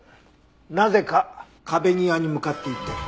なぜか壁際に向かっていってる。